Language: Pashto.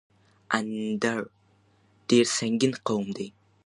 اندړ ډير سنګين قوم دی